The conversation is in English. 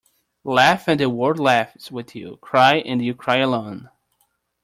Laugh and the world laughs with you. Cry and you cry alone.